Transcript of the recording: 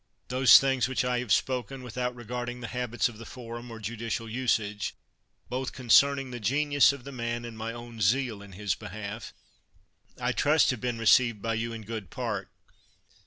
Those things which I have spoken, without regarding the hab its of the forum or judicial usage, both concern ing the genius of the man and my own zeal in his behalf, I trust have been received by you in good part.